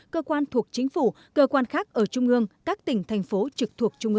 cơ quan thuộc chính phủ cơ quan khác ở trung ương các tỉnh thành phố trực thuộc trung ương